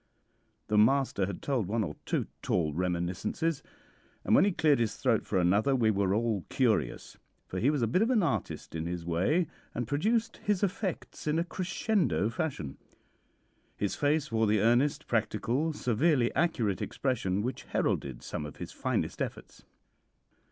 The master had told one or two tall reminiscences, and when he cleared his throat for another we were all curious, for he was a bit of an artist in his way, and produced his effects in a crescendo fashion. His face wore the earnest, practical, severely accurate expression which heralded some of his finest efforts.